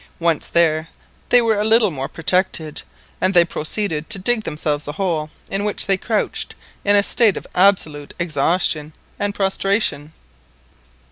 Once there they were a little more protected, and they proceeded to dig themselves a hole, in which they crouched in a state of absolute exhaustion and prostration.